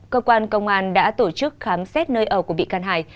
cơ quan công an đã tổ chức khám xét nơi ở của bị can hải